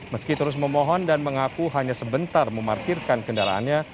meski terus memohon dan mengaku hanya sebentar memarkirkan kendaraannya